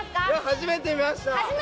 初めて見ました！